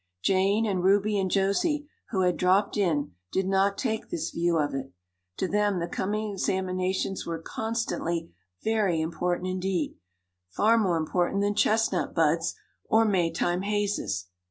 Jane and Ruby and Josie, who had dropped in, did not take this view of it. To them the coming examinations were constantly very important indeed far more important than chestnut buds or Maytime hazes.